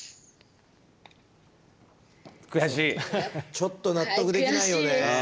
ちょっと納得できないよね。